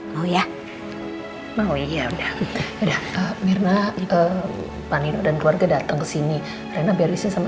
mau ya mau ya udah udah mirna panino dan keluarga datang ke sini karena berisi sama